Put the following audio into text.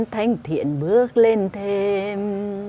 thanh thiện bước lên thêm